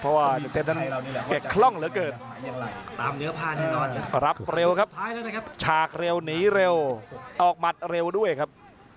เพราะว่าเกกร่องเหลือเกินรับเร็วครับฉากเร็วหนีเร็วออกหมัดเร็วด้วยครับ